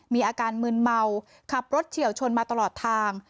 มีอาการมืนเมาขับรถเฉียวชนมาตลอดทาง